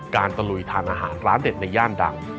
ตะลุยทานอาหารร้านเด็ดในย่านดัง